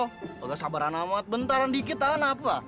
nggak sabaran amat bentaran dikit tahan apa